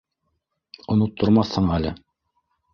Оноттормаҫһың әле.